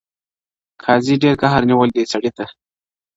قاضي ډېر قهر نیولی دئ سړي ته،